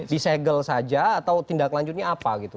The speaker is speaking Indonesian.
disegel saja atau tindak lanjutnya apa gitu